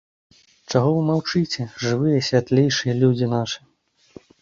Чаго вы маўчыце, жывыя святлейшыя людзі нашы?